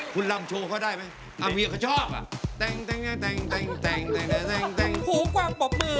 พอแล้วค่ะทุกคน